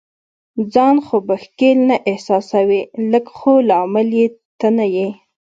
ځان خو به ښکیل نه احساسوې؟ لږ، خو لامل یې ته نه یې.